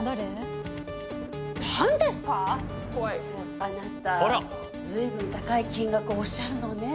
あなたずいぶん高い金額をおっしゃるのね。